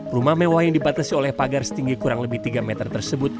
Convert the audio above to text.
rumah mewah yang dibatasi oleh pagar setinggi kurang lebih tiga meter tersebut